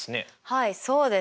はいそうですね。